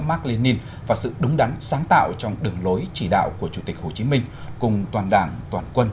mark lenin và sự đúng đắn sáng tạo trong đường lối chỉ đạo của chủ tịch hồ chí minh cùng toàn đảng toàn quân